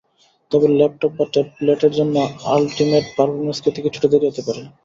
তবে ল্যাপটপ বা ট্যাবলেটের জন্য আলটিমেট পারফরম্যান্স পেতে কিছুটা দেরি হতে পারে।